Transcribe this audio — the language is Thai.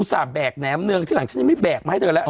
ส่าหแบกแหนมเนืองที่หลังฉันยังไม่แบกมาให้เธอแล้ว